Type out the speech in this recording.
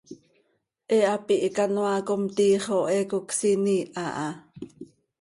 He hapi hicanoaa com, tiix oo he cocsiin iiha ha.